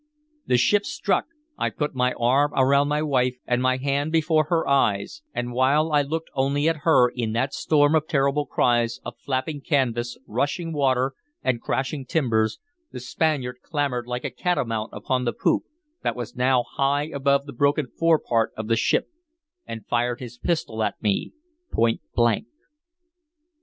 The ship struck. I put my arm around my wife, and my hand before her eyes; and while I looked only at her, in that storm of terrible cries, of flapping canvas, rushing water, and crashing timbers, the Spaniard clambered like a catamount upon the poop, that was now high above the broken forepart of the ship, and fired his pistol at me point blank.